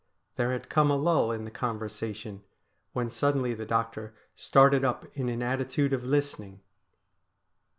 There had come a lull in the conversation, when suddenly the doctor started up in an attitude of listening.